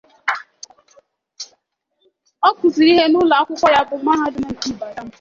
Ọ kụziri ihe n'ụlọ akwụkwọ ya bu mahadum nke Ibadan.